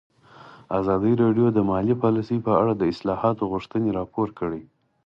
ازادي راډیو د مالي پالیسي په اړه د اصلاحاتو غوښتنې راپور کړې.